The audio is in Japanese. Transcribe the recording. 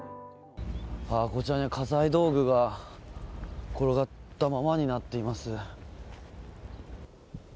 こちらに家財道具が転がったままになっています。